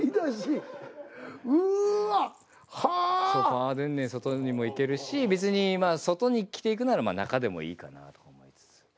パーデンネン外にも行けるし別に外に着ていくなら中でもいいかなと思いつつ。